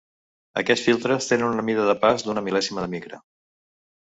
Aquests filtres tenen una mida de pas d'una mil·lèsima de micra.